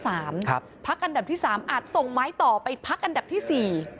ภักษ์กำหนดที่๓อาจส่งไม้ต่อไปภักษ์กำหนดที่๔